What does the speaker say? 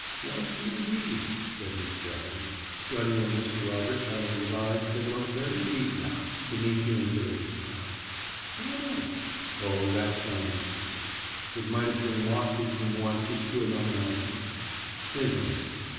"Was he, indeed?" said Miss Gerald, studying Mr. Robert Bennett with eyes that looked very deep now, beneath the imperious brows. "How nice!" Oh, that tone was distant. It might have been wafted from one who stood on an iceberg. "Isn't it?"